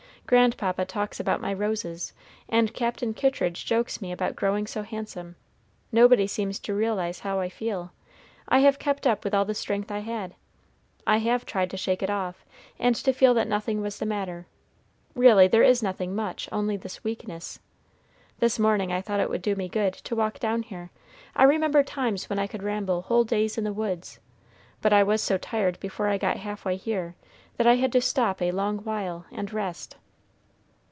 "Grandpapa talks about my roses, and Captain Kittridge jokes me about growing so handsome; nobody seems to realize how I feel. I have kept up with all the strength I had. I have tried to shake it off, and to feel that nothing was the matter, really there is nothing much, only this weakness. This morning I thought it would do me good to walk down here. I remember times when I could ramble whole days in the woods, but I was so tired before I got half way here that I had to stop a long while and rest.